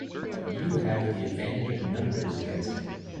But you have the advantage of numbers against him.